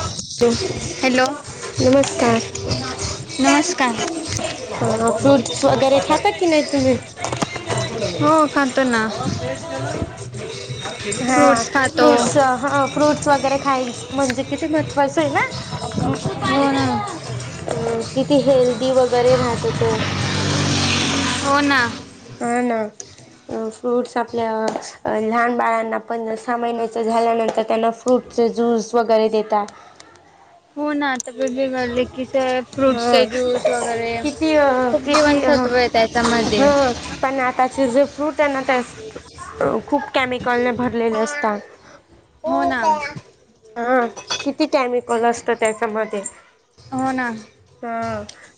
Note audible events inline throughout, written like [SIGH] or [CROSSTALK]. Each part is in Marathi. ॅ हॅलो [UNINTELLIGIBLE] नमस्कार नमस्कार अ फ्रुट्स वगैरे खातात की नाही तुम्ही? हो खातो ना. हा फ्रूट्स खातो फ्रूट्स हा फ्रूट्स वगैरे खायच म्हणजे कि ती महत्वाचय ना. हो ना किती हेल्दी वग गरे राहतं तर. हो ना. हा ना. फ्रूट्स आपल्या लहान बाळांना पण, सहा महिन्याच झाल्यानंतर त्यांना फ्रूटच ज्यूस वगैरे देेतात. हो ना आता वेगवेगळ्या ले किस [UNINTELLIGIBLE] हा फ्रूट्सचे ज्यूस वगैरे. किती अ, खूप किती ह जीवनसत्वय त्याच्यामध्ये. ह पण आताचे जे फ्रूटेना, ते खूप केमिकलने भरलेले असतात. हो का? हा किती केॅमिकल असत त्याच्यामध्ये. हो ना. हा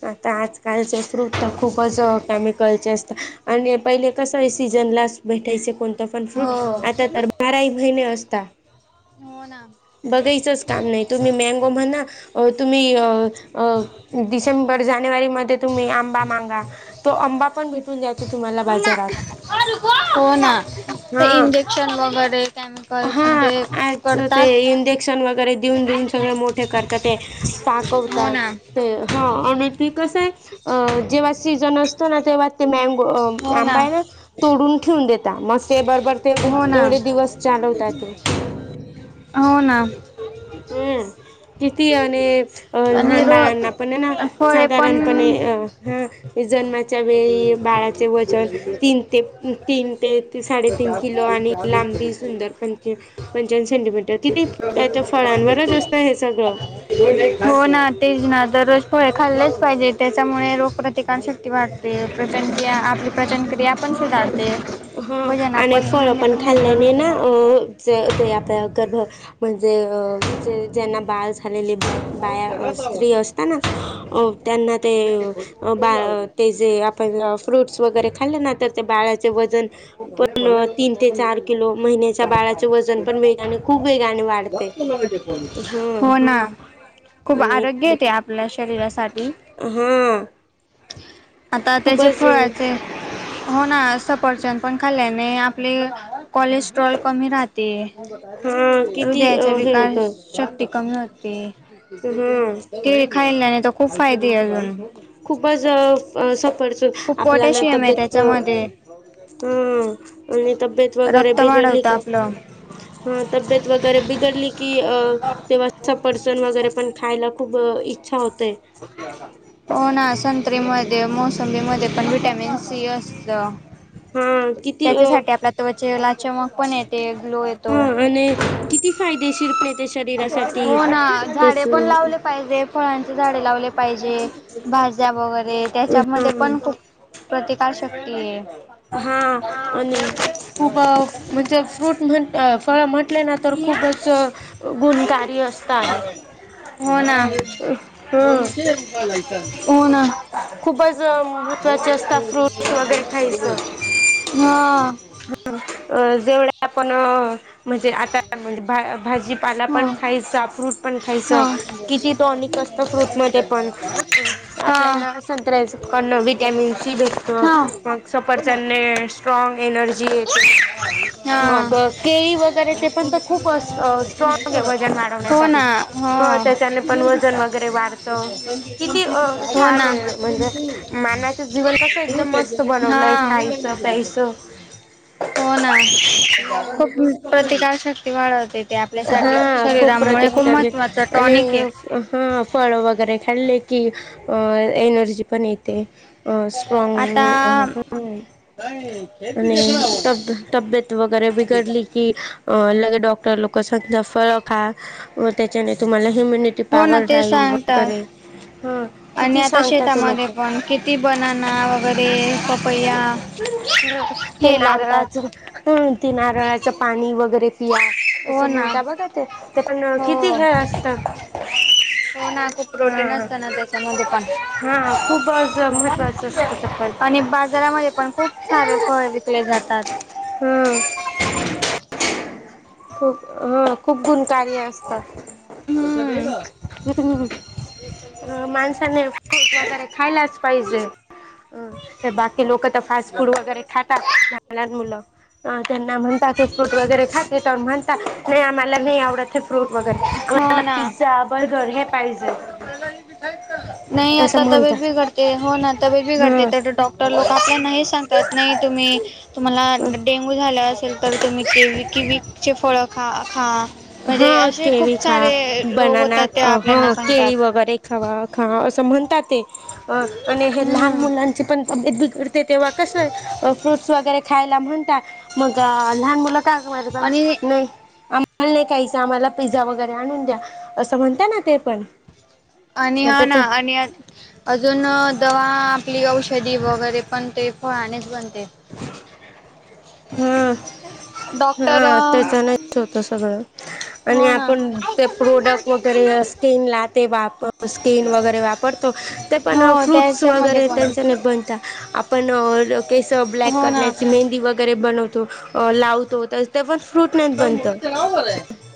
आता आजकालचे फ्रुटत खूपच केमिकलचे असता. आणि पहिले कसं सीजन लाच भेटायचे. कोण तपन फ्रूट. हो आता तर बाराही महिने असता. हो ना बघायचंच काम नाही. तुम्ही मँगो म्हणा, तुम्ही अ डिसेंबर जानेवारी मध्ये तुम्ही आंबा मागा. तो आंबा पण भेटून जायचो तुम्हाला बाजार. हो ना. ते हा इंजेक्शन वगैरे हा केमिकल्समध्ये आच ते करतात इंजेक्शन वगैरे देऊन देऊन सगळ मोठ करतात ते. हो पाकवता ना. ते ह. आणि ते कसय, जेव्हा सीजन असतो ना. तेव्हा ते मॉग अ आंबाय ना तोडून ठेवून देता. मग ते बरोबर ते हो ना तेवढे दिवस चालवतात ते [INAUDIBLE] हो ना. हम्म. किती आणि अ आणि लहान रो बाळांना पणेना फळे साधारणपणे पण अ ह, ते जन्माच्या वेळी बाळाचे वचन तीन ते तीन ते साडेतीन किलो आणि लांबी सुंदर पंचा [UNINTELLIGIBLE] सेंटीमीटर तीथे त्याच्या फळांवरच असतं हे सगळं. हो ना, तेच ना. दर रोज फळे [UNINTELLIGIBLE] खाल्लेच पाहिजे. त्या त्याच्यामुळे रोगप्रतिकारशक्ती वाढते. प्रचनक्रिया आपली पचनक्रिया पण सुधारते. ह वजन आणि आपण फळ म्हणजे पण नियंत्रण खाल्ल्याने होते ना, अ ते आता गर्भ म्हणजे म्हणजे ज्यांना बाळ झालेली बाया, स्त्री असता ना, त्यांना ते अ बाळ ते जे आपण फ्रूट्स वगैरे खाल्लं ना. तर ते बाळाचे वजन पण तीन ते चार किलो. महिन्याच्या बाळाचे वजन पण वेगाने खूप वेगाने वाढते. हा हो ना. खूप आरोग्यते आपल्या शरीरासाठी. ह. आता त्याचे फळाचे होणा. सफरचंद पण खाल्याने आपले कॉलेश ट्रोल कमी राहते. हा किती अ, हृदयाच्या हे विकार होतं शक्ती कमी होते. हा केळी खायल्याने तर खूप फायदेय अजून. खूपच सफरच खूप आपल्याना पोटॅशियम आहे तब्येत त्याच्यामध्ये ह, आणि तब्येत वगैरे रक्त बिघडली वाढवतं का? आपलं. ह तबीयेत वगैरे बिगडली की अ तेव्हा सफरचंद वगैरे पण खायला खूप इच्छा होते. [UNINTELLIGIBLE] हो ना संत्रीमध्ये, मोसंबीमध्ये पण व्हिटॅमिन सी असतं. हा किती अ त्याच्यासाठी आपल्या त्वचेला चमक पण येते, ग्लो येतो. हा आणि किती फायदेशीर प्लेटेस हो ना झाडे पण लावले पाहिजे. फळांचे झाडे लावले पाहिजे भाज्या वगैरे त्याच्यामध्ये हा पण खूप प्रतिकार शक्ती आहे. हा आणि खूप म्हणजे फ्रूट म्हण अ तळया म्हटले ना तर खूपच गुणकारी असता आहे. हो ना हम्म हो ना. खूपच महत्त्वाचे असतात फ्रूट्स वगैरे खाय हां. अ जेवढ्या आपण म्हणजे आता म्हणजे भा भाजीपाला पण हा खायचा फ्रूट पण खायचंकिती टॉनिक असतं फ्रूट मध्ये पण हा आपल्याना संत्र्यास करण विटॅमिन सी भेटतो हा हा मग सफरचंदने स्ट्रॉग एनर्जी येते. हा. मग केळी वगैरे ते पण तर खूपस अ स्ट्रॉग आहे वजन हो वाढवण्यासाठी. ना हो त्याच्याने पण वजन वगैरे वाढतं किती अ हो ना छान आहे म्हणजे माणस चा जीवन कसं एकदम मस्त हा बनवलंय खायचं प्यायचं. हो ना खूप प्रतिकार शक्ती वाढवते त्या आपल्यासाठी हा खूप शरीरामुळे खूप प्रतिकारचे महत्त्वाचा आणि टॉनिक आहे. हा फळ वगैरे खाल्ले की अ एनर्जी पण येते. अ आता स्ट्रॉन्ग. [UNINTELLIGIBLE] आणि तब तब्येत वगैरे बिघडली की लगे डॉक्टर लोकं सांगत्या फळं खा व त्याच्याने तुम्हाला ह्युम्यनि टी हो ना पवर ते राहील सांगतात वगैरे हा किती सांगतात ते लोकं. ती बनाना वगैरे पप हा ते नारळाच लावतात ती नारळाचं पाणी वगैरे पिया हो असं ना म्हणता बघा ते पण हो किती हे असतं. हो ना खूप प्रोटीन हा असतं ना त्याच्यामध्ये पण. हा खूपच महत्त्वाचं असतं ते पण आणि बाजारामध्ये पण खूप सारे फळ विकले जातात. हां. खूप हा खूप गुणकारी असतात. हम्म [UNINTELLIGIBLE] अ माणसाने फूट वगैरे खायलाच पाहिजे. ते बाकी लोकं तर फास्ट फूड वगैरे खातात लहान लहान मुलं. आं त्यांना म्हणता की फ्रूट वगैरे खा ते तर म्हणता नाही आम्हाला नाही आवडत. फ्रूट हो वगैरे [UNINTELLIGIBLE] ना. पिझ्झा, बर्गर हे पाहिजे. नाही असं आता म्हणता. तब्येत बिघडते हो ना तब्येत बिघडते तर तो डॉक टर लोकं आपल्याला नाही सांगतात नाही तुम्ही तुम्हाला हा डेंगू झाल्या तर तुम्ही केवी किवी चे फळं खा खा. हा म्हणजे असे केवी खूप खा सारे रोग बनाना होतात ते अ हा आपल्याना सांगतात. केळी व वगैरे खावा खा हा असं म्हणतात अ आणि हे लहान हम्म मुलांची पण तब्येत बिघड ते तेव्हा कसं अ फ्रूटस वगैरे खायला म्हणत्या. मगं लहान मुलं काय गं मरताम आणि नाही मला नाही काहीच आम्हाला पिझ्झा वगैरे आणून द्या असं म्हणत ना ते पण. आणि हा ना आणि अजून दवा आपली औषधी वगैरे पण ते फळानेच बनते. ह [UNINTELLIGIBLE] पटे [INAUDIBLE] हा त्याच नाहीच होत सगळं. आणि हो ना आपण ते प्रोडक्ट वगैरे स्किन लाते वापर स्किन वगैरे वापरत ते पण हो फ्रूट्स त्याच्यामध्ये वगैरे पण त्यांच्याने पण आपण केस ब्लॅक हो ना करण्याची मेहंदी वगैरे बनवतो. लावतो तर ते पण फ्रूट नाहीत बनतं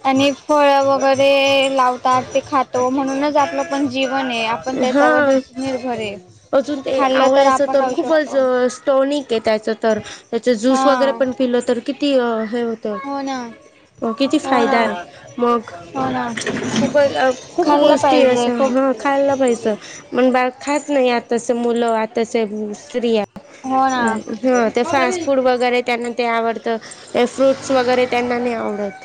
आणि फळ वगैरे लाव ते खातो म्हणूनच आपलं पण जीवन आहे. आपण हा त्याच्यावरच निर्भर आहे अजून ते खाल्लं आवडयचं आपण तर राहू खूपच शकतो टोनिक आहे त्याचं तर त्याच ज्यूस हा वगैरे पण पिलं तर किती हे हो ना. हो किती फायदा मग हो ना खूपच खूप खाल्लं गोष्टी अस पाहिजे ह. खूप खाल्लं पाहिजे मण बा खात नाही आता चे मुलं आता चे स्त्रिया. हो ना हा ते फास्ट फूड वगैरे त्यांना ते आवडतं फ्रूट्स वगैरे त्यांना नाही आवडत.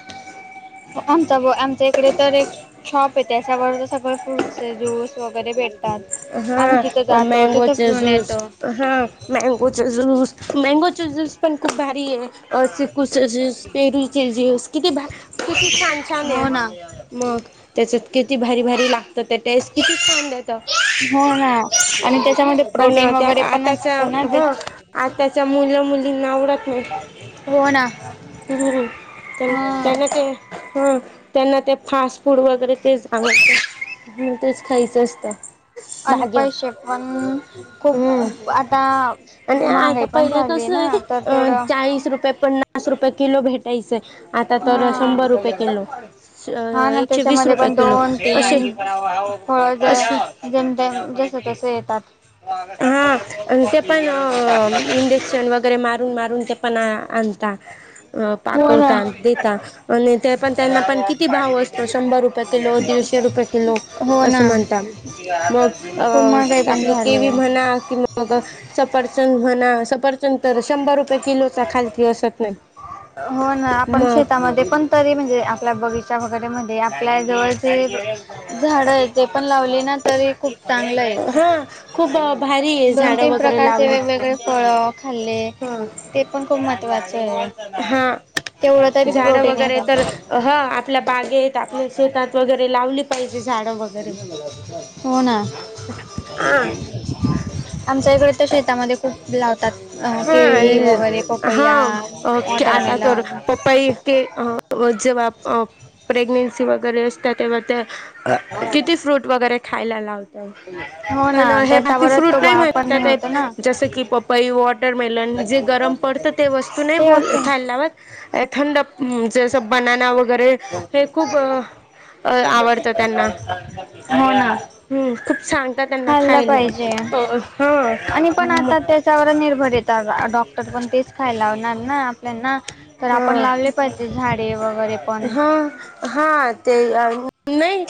आमचा आमच्या इकडे तर एक शॉप आहे त्याच्यावर सगळं फ्रूटस ज्यूस वगैरे भेट आम्ही तिथे हा जातो तिथे मँगोचे पिऊन ज्यूस येतो. हा मॅंगोच जूस मॅंगोच जुस पण खूप भारी आहे चिकुचे जुस, पेरूचे जुस किती भ किती छान छान आहे हो ना मग. त्याच्यात किती भारी, भारी लागतं त्या टेस्ट किती छान देतात. हो ना आणि त्याच्यामध्ये पण प्रोटीन त्या वगैरे पण आताचा असतं ना त्या ह आताच्या मुला मुलीना आवडत नाही. हो ना. ह हा त्यांना ते. हा त्यांना ते फास्ट फूड वगैरे तेच आवडत. ह तेच खायचं असत. आणि पैसे पण खूप हम्म आता महागाई पण झाली आहेना. अं चाळीस रुपये, पन्नास रुपये किलो भेटायचे. हा.. अ हा ना एकशे वीस त्याच्यामध्ये रुपये पण किलो दोन, असे तीन असे जेन ते जस तस येतात. माग हा सरकाला तर नाही गजानन टाकले [UNINTELLIGIBLE] चकरे मारून, मारून ते पणा आणता. अ हो ना पाकवता देता आणि ते पण त्यांना पण किती भाव असतो शंभर रुपये किलो, दीडशे रुपये हो अस ना. म्हण म खूप महागाई पण झाली आपले आहे. म्ह हा की मग सफरचंद म्हणा तर शंभर रुपये किलोचा खालती असत नाही मग. मग ते पण तरी म्हणजे आपल्या बगीच्या वगैरेमध्ये आपल्या जवळचेे झाड आहे ते पण लावले ना तरी खूप चांगलंय हा खूप भारी आहे दोन, झाडं तीन वगैरे प्रकारचे लावली. वेगवेगळे फळ खाल्ले [UNINTELLIGIBLE] ते पण खूप महत्त्वाचे आहे हा तेवढं तरी प्रोटीन. हा आपल्या बागेत आपल्या शेतात वगैरे लावली पाहिजे झाडं वगैरे हो ना. हा आमच्या इकडे तर शेतामध्ये. खूप लावतात केळी वगैरे हा पपैया, हा आता तर वाॅटरमेलन. पपई ते अ अ, जेव्हा प्रेग्नेन्सी वगैरे असतात तेव्हा त्या किती फ्रूट वगैरे खायला लावतो. हो पण ना हे बाकी त्याच्यावरच फ्रूट तो नाही बाळ पण नाही म्हणतात होतो ना जसं की पपई, वट वाॅटरमेलन जे गरम पडतं ते वस्तू नाही ते बोल असं खायला लावत थंड. हम्म जसं बनाना वगैरे हे खूप. आवडतं त्यांना हा. हम्म खूप सांगता त्यांना खायला ह म वर निर्भर येतात डॉक्टर पण तेच खाय लावणार ना आपल्याना तर आपण लावले पाहिजे. हा. हो हो ते नाही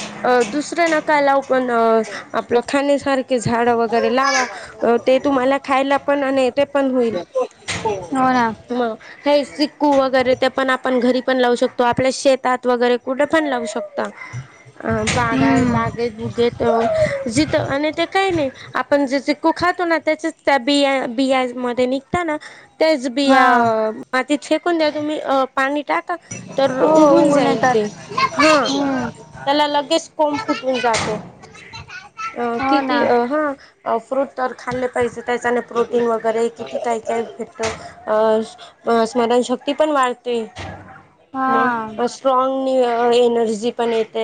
दुसरा नका लाव पण आपलं खाण्यासारखे झाडं वगैरे लावा ते तुम्हाला खायला पण आणि ते पण हो हो ना. मग हे चिक्कू वगैरे ते पण आपण घरी. पण लावू शकतो आपल्या शेतात वगैरे कुठे पण लावू शकतो. अ हम्म बागा-बागेत बुघेत. जित आणि ते काही नाही आपण जे चिक्कू खातो ना त्याच्याच त्या बिया, बिया मध्ये निघ त्याच बि हा मातीत शेकून द्या तुम्ही पाणी टाक तर हो उगून जाईल ते, येतात हा. हम्म त्याला लगेच कोंब फुटून जातो, अ हो किती ना ह फ्रूट तर खाल्ले पाहिजे त्याच्याने प्रोटीन वगैरे कि ती काय, काय फक्त अ स्मरणशक्ती पण वाढते. म हा स्ट्रॉंग एनर्जी पण येत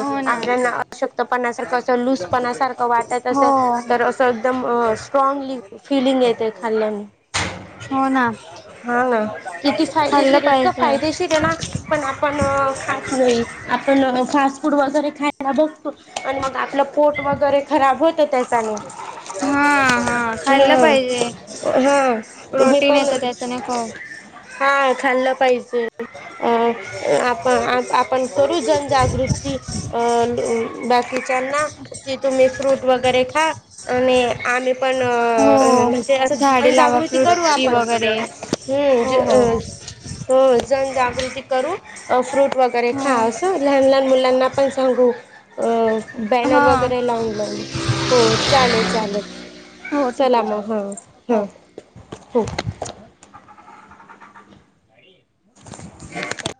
हो ना आपल्या अशतपणासारख अस लूसपणासारख वाटत तस हो तर असं एकदम स्ट्रागली फिलिंग येते खाल्ल्याने. हो ना हा ना किती खाल्लं फायदेशीर आहेत का? पाहिजे फायदेशीर होणार पण आपण खात नाही. आपण फास्ट फूड वगैरे खायला बघतो आणि मग आपलं पोट वगैरे खराब होतं त्या. हा हा खाल्ला हम्म पाहिजे. हा तुम्ही प्रोटीन येतं पण त्याच्याने खूप हा खाल्लं पाहिजे. अ आपण, आपण करू जनजागृती. अ बाकीच्याना की तुम्ही फ्रूट वगैरे खा. आणि आम्ही पण अ हो म्हणजे असं झाडे लावा जनजागृती करू फ्रूटची आपण. वगैरे हम्म ज हो हो अं. हो जनजागृती करू फ्रूट वगैरे खा हो असं लहान-लहान मुलांना पण सांगू. अ बॅनर हा वगैरे लावून-लावून हो चालेल-चालेल. हो ठीक चला आहे मग हा चालेल हो हा हो. ह [INAUDIBLE]